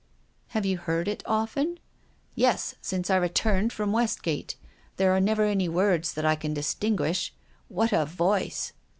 " Have you heard it often ?"" Yes, since I returned from Westgate. There are never any words that I can distinguish. What a voice